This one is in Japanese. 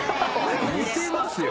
似てますよ。